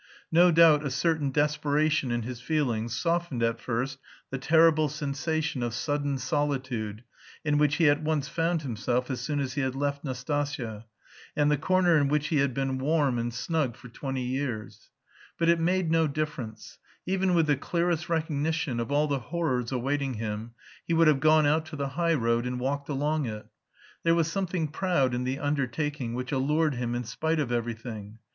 No doubt a certain desperation in his feelings softened at first the terrible sensation of sudden solitude in which he at once found himself as soon as he had left Nastasya, and the corner in which he had been warm and snug for twenty years. But it made no difference; even with the clearest recognition of all the horrors awaiting him he would have gone out to the high road and walked along it! There was something proud in the undertaking which allured him in spite of everything.